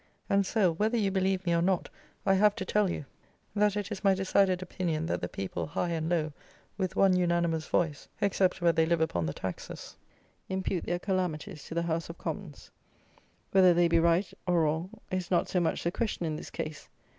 And, Sir, whether you believe me or not, I have to tell you that it is my decided opinion that the people, high and low, with one unanimous voice, except where they live upon the taxes, impute their calamities to the House of Commons. Whether they be right or wrong is not so much the question in this case.